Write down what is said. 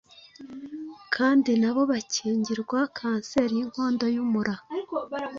kandi na bo bakingirwa kanseri y’inkondo y’umura.